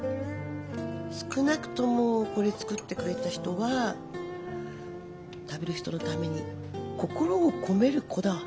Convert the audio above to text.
少なくともこれ作ってくれた人は食べる人のために心を込める子だわ。